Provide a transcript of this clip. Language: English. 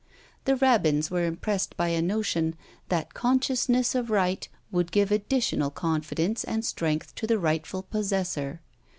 The rabbins were impressed by a notion, that consciousness of right would give additional confidence and strength to the rightful possessor.